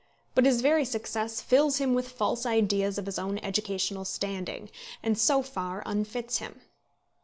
But his very success fills him with false ideas of his own educational standing, and so far unfits him.